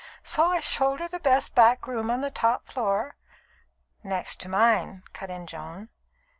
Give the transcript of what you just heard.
So I showed her the best back room on the top floor " "Next to mine," cut in Joan.